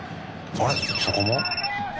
あれっそこも？